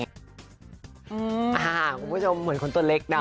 คุณผู้ชมเหมือนคนตัวเล็กนะ